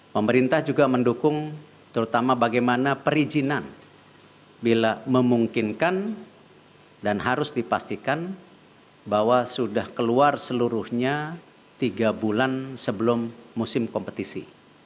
pemerintah juga mendukung terutama bagaimana perizinan bila memungkinkan dan harus dipastikan bahwa sudah keluar seluruhnya tiga bulan sebelum musim kompetisi